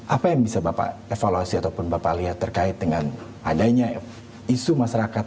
apa yang bisa bapak evaluasi ataupun bapak lihat terkait dengan adanya isu masyarakat